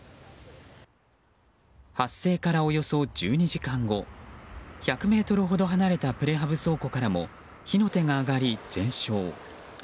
発生からおよそ１２時間後１００ｍほど離れたプレハブ倉庫からも火の手が上がり全焼。